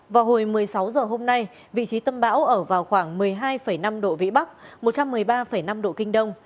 vào hồi một mươi sáu h hôm nay vị trí tâm bão ở vào khoảng một mươi hai năm độ vĩ bắc một trăm một mươi ba năm độ kinh đông